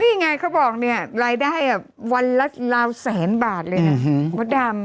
นี่ไงเขาบอกเนี่ยรายได้วันละราวแสนบาทเลยนะมดดำ